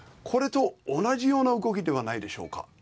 これと同じような動きではないでしょうか。